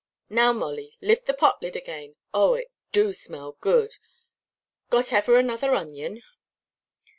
"Now, Molly, lift the pot–lid again. Oh, it do smell so good! Got ever another onion?"